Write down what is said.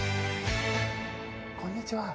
こんにちは。